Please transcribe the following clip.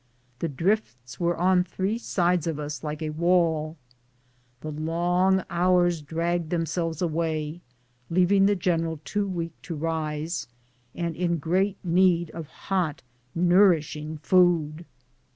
The drifts were on three sides of us like a wall. The long hours dragged themselves away, leaving the general too weak to rise, and in great need of hot, nourishing food.